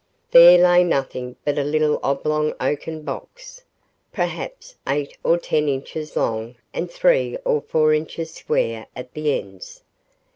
There lay nothing but a little oblong oaken box, perhaps eight or ten inches long and three or four inches square at the ends.